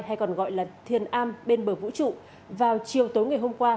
hay còn gọi là thiền a bên bờ vũ trụ vào chiều tối ngày hôm qua